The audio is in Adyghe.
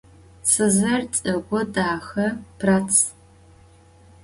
Tsızer ts'ık'u, daxe, pırats.